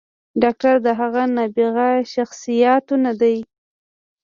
“ډاکتر د هغه نابغه شخصياتو نه دے